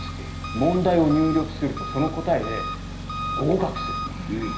問題を入力するとその答えで合格する。